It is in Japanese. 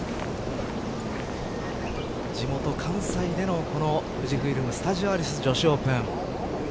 地元関西での富士フイルム・スタジオアリス女子オープン。